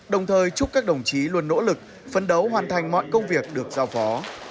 đồng thời chúc các đồng chí luôn nỗ lực phân đấu hoàn thành mọi công việc được giao phó